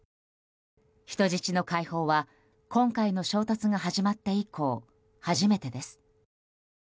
人質の解放は今回の衝突が始まって以降、初めてです。